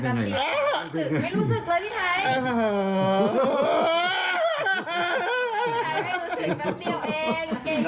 รอหนังนั้นค่ะ